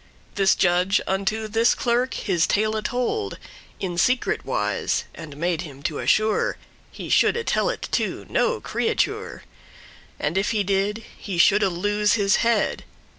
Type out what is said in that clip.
This judge unto this clerk his tale told In secret wise, and made him to assure He shoulde tell it to no creature, And if he did, he shoulde lose his head.